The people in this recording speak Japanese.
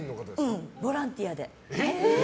うん、ボランティアで。